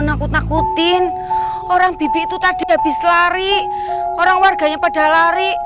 nakut nakutin orang bibi itu tadi habis lari orang warganya pada lari